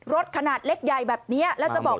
รถขนาดเล็กใหญ่แบบเนี้ย